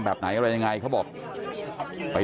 เพื่อนบ้านเจ้าหน้าที่อำรวจกู้ภัย